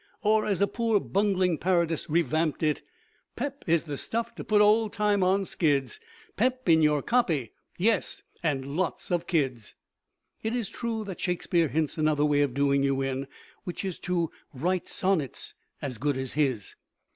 Or, as a poor bungling parodist revamped it: Pep is the stuff to put Old Time on skids Pep in your copy, yes, and lots of kids. It is true that Shakespeare hints another way of doing you in, which is to write sonnets as good as his.